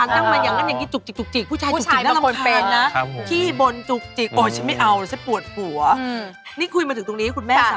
รับได้นะก็คือไม่ได้เป็นคนแบบว่า